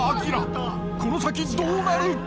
この先どうなる？